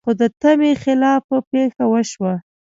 خو د تمې خلاف پېښه وشوه.